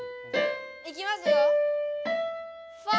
いきますよファ！